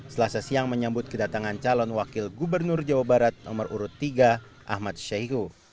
selasa siang menyambut kedatangan calon wakil gubernur jawa barat nomor urut tiga ahmad syahiku